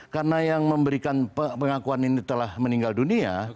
karena yang memberikan pengakuan ini telah meninggal dunia